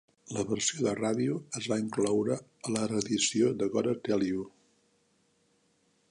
La versió de ràdio es va incloure a la reedició de "Gotta Tell You".